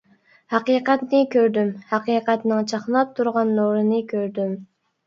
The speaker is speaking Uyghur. ھەقىقەتنى كۆردۈم، ھەقىقەتنىڭ چاقناپ تۇرغان نۇرىنى كۆردۈم.